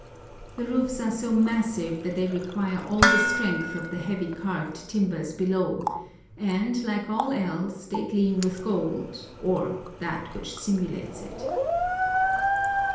The roofs are so massive that they require all the strength of the heavy carved timbers below, and, like all else, they gleam with gold, or that which simulates it.